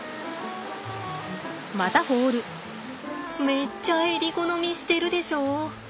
めっちゃえり好みしてるでしょ。